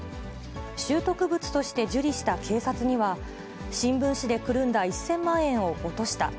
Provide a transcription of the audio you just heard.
拾得物として受理した警察には、新聞紙でくるんだ１０００万円を落とした。